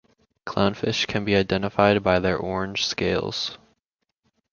Clownfish can be identified by their orange scales.